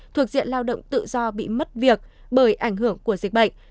thuộc diện lao động tự do bị mất việc bởi ảnh hưởng của dịch bệnh